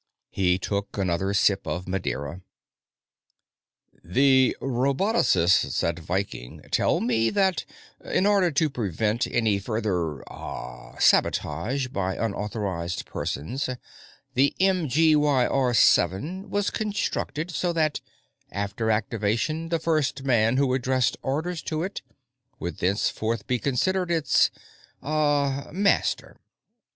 He took another sip of Madeira. "The robotocists at Viking tell me that, in order to prevent any further ... ah ... sabotage by unauthorized persons, the MGYR 7 was constructed so that, after activation, the first man who addressed orders to it would thenceforth be considered its ... ah ... master.